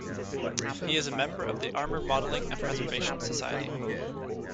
He is a member of the Armor Modeling and Preservation Society.